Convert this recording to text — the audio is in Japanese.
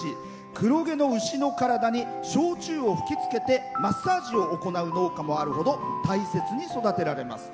黒毛の牛に焼酎を吹きつけてマッサージを行う農家もあるほど大切に育てられます。